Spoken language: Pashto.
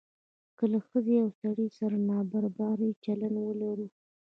که له ښځې او سړي سره نابرابر چلند ولرو.